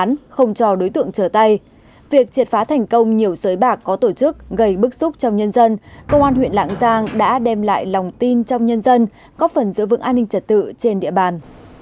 nhưng không cho đối tượng trở tay việc triệt phá thành công nhiều giới bạc có tổ chức gây bức xúc trong nhân dân công an huyện lạng giang đã đem lại lòng tin trong nhân dân có phần giữ vững an ninh trật tự trên địa bàn